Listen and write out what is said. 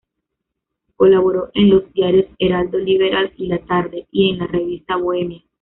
Colaboró en los diarios "Heraldo Liberal" y "La Tarde", y en la revista "Bohemia".